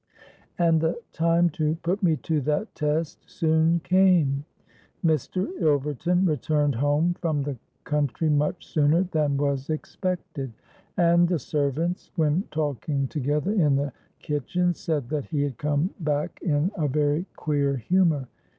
And the time to put me to that test soon came. Mr. Ilverton returned home from the country much sooner than was expected; and the servants, when talking together in the kitchen, said that he had come back in a very queer humour.